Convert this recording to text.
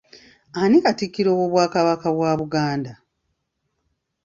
Ani katikkiro w'obwakabaka bwa Buganda?